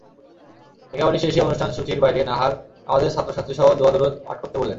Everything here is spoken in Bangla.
একেবারে শেষে অনুষ্ঠানসূচির বাইরে নাহার আমাদের ছাত্রছাত্রীসহ দোয়া-দরুদ পাঠ করতে বললেন।